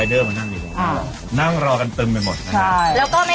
แล้วเค้ารู้จักได้อย่างไง